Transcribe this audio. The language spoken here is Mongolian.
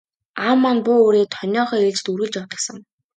Аав маань буу үүрээд хониныхоо ээлжид үргэлж явдаг сан.